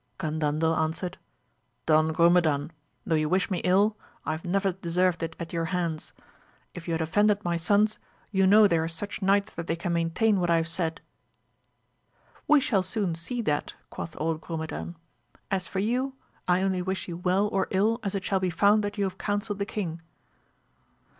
Gandandel answered, Don Grumedan, tho' you wish me ill I have never deserved it at your hands; if you had offended my sons you know they are such knights that they can maintain what I have said. We shall soon see that, quoth old Grumedan ; as for you I only wish you well or ill as it shall be found that you have counselled the king.